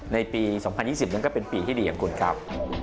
ในปี๒๐๒๐นั้นก็เป็นปีที่ดีของคุณครับ